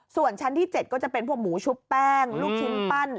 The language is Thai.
ส่วนชั้นที่๗ก็จะเป็นพวกหมูชุบแป้งลูกชิ้นปั้น